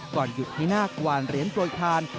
ก่อนหยุดให้นาควานเรียนโปรดทาน